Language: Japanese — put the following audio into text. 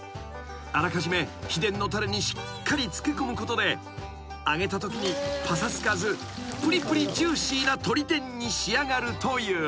［あらかじめ秘伝のたれにしっかり漬け込むことで揚げたときにぱさつかずぷりぷりジューシーな鶏天に仕上がるという］